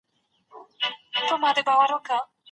د بد عادت نښې وپېژنئ.